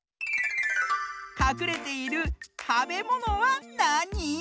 かくれているたべものはなに？